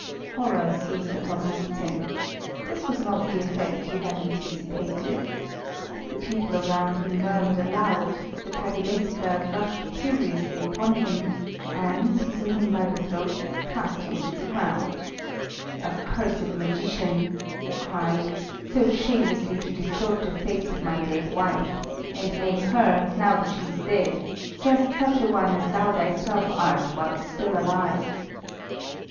Horror seized upon Muhzin. This was not the effect he had anticipated. The people around him murmured aloud, the Kadilesker rushed furiously upon him, and, seizing him by the throat, cast him to the ground. "Accursed magician!" he cried, "so shamelessly to distort the face of my dead wife, and make her, now that she is dead, just such an one as thou thyself art while still alive!"